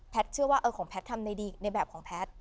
แพทย์เชื่อว่าของแพทย์ทำในดีในแบบของแพทย์